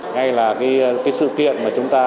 hay là cái sự kiện mà chúng ta